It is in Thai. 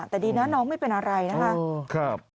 แต่ดีนะน้องไม่เป็นอะไรนะคะโอ้ครับ